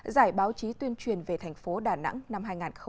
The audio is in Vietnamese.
giải báo chí tuyên truyền về thành phố đà nẵng năm hai nghìn hai mươi